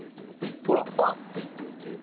ほら。おっ。